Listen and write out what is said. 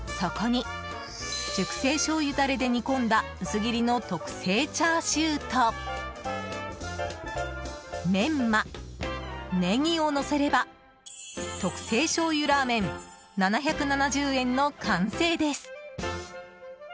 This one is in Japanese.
そこに熟成しょうゆダレで煮込んだ薄切りの特製チャーシューとメンマ、ネギをのせれば特製醤油ラーメン、７７０円の完成です。